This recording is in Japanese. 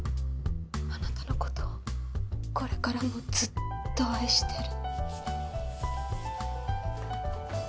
あなたの事をこれからもずっと愛してる。